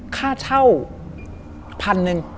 ค่าเช่าพันหนึ่ง